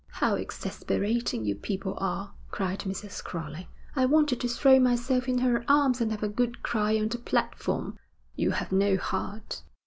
'How exasperating you people are!' cried Mrs. Crowley. 'I wanted to throw myself in her arms and have a good cry on the platform. You have no heart.'